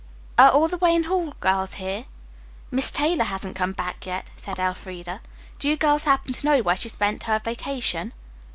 Are all the Wayne Hall girls here?" "Miss Taylor hasn't come back yet," said Elfreda. "Do you girls happen to know where she spent her vacation?"